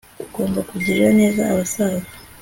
ugomba kugirira neza abasaza